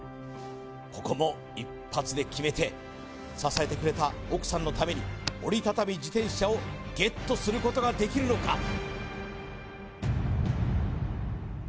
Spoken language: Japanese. ここも一発で決めて支えてくれた奥さんのために折りたたみ自転車をＧＥＴすることができるのか？